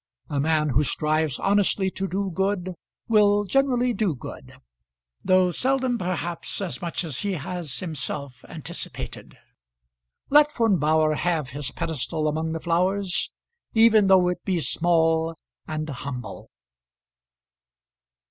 A man who strives honestly to do good will generally do good, though seldom perhaps as much as he has himself anticipated. Let Von Bauhr have his pedestal among the flowers, even though it be small and humble!